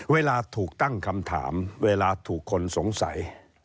เวลาถูกตั้งคำถามเวลาถูกคนสงสัย